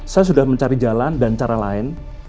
saya sudah mencari jalan dan cara lain